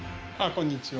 こんにちは